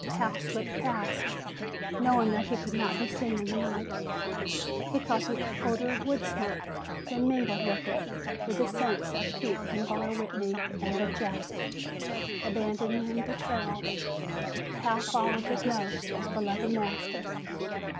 Pal slipped past, knowing that he could not be seen in the night. He caught the odor of wood smoke. Then, mingled with it, were the scents of Pete and Barr Whitney and of Jeff. Abandoning the trail, Pal followed his nose to his beloved master.